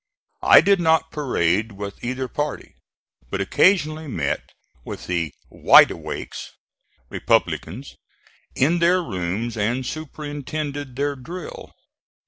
I did not parade with either party, but occasionally met with the "wide awakes" Republicans in their rooms, and superintended their drill.